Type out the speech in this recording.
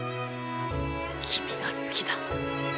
君が好きだ。